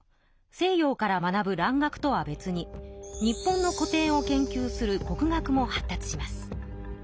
西洋から学ぶ蘭学とは別に日本の古典を研究する国学も発達します。